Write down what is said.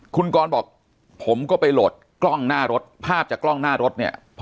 คุณกรบอกผมก็ไปโหลดกล้องหน้ารถภาพจากกล้องหน้ารถเนี่ย